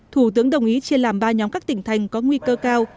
thủ tướng đồng ý chia làm ba nhóm các tỉnh thành có nguy cơ cao